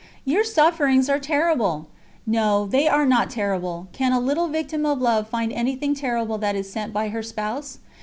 "Your sufferings are terrible!" "No they are not terrible: can a little Victim of Love find anything terrible that is sent by her Spouse?